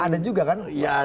ada juga kan